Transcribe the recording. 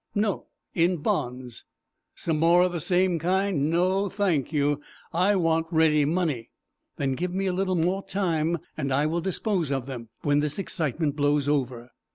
"No; in bonds." "Some more of the same kind? No, thank you, I want ready money." "Then give me a little more time, and I will dispose of them when this excitement blows over."